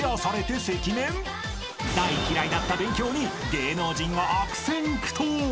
［大嫌いだった勉強に芸能人が悪戦苦闘］